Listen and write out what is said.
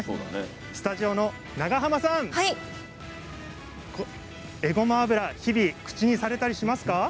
スタジオの長濱さん、えごま油日々、口にされたりしますか。